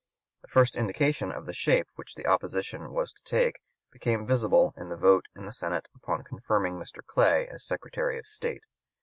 The first indication of the shape which the opposition was to take became visible in the vote in the Senate upon confirming Mr. Clay as Secretary of State.